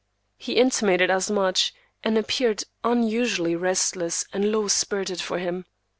He intimated as much, and appeared unusually restless and low spirited for him.